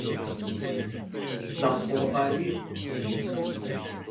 老婆懷孕